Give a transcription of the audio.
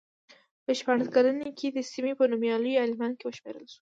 په شپاړس کلنۍ کې د سیمې په نومیالیو عالمانو کې وشمېرل شو.